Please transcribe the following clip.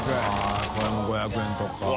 これも５００円とかかな？